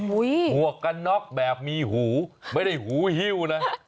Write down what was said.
หมวกกันน็อกแบบมีหูไม่ได้หูหิ้วนะ